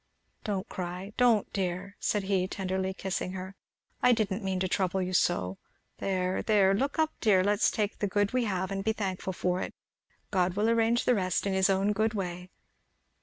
Don't cry don't, dear!" said he, tenderly kissing her. "I didn't mean to trouble you so. There there look up, dear let's take the good we have and be thankful for it. God will arrange the rest, in his own good way.